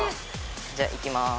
じゃあいきます！